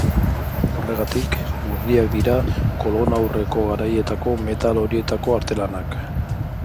Horregatik, urriak dira kolonaurreko garaietako metal horietako artelanak.